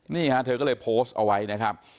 นี่ฮะเธอก็เลยโพสต์เอาไว้นะครับ